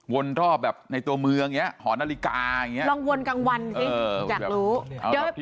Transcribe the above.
วนทอบแบบในตัวเมืองอย่างเงี้ยหอนาฬิกาอย่างเงี้ยลองวนกลางวันสิ